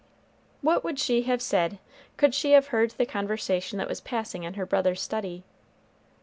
What would she have said could she have heard the conversation that was passing in her brother's study?